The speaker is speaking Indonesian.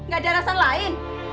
gak ada alasan lain